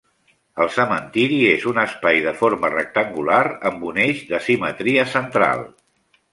El cementiri és un espai de forma rectangular amb un eix de simetria central.